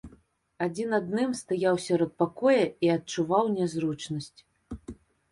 Адзін адным стаяў сярод пакоя і адчуваў нязручнасць.